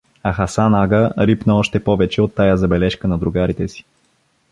А Хасан ага рипна още повече от тая забележка на другарите си.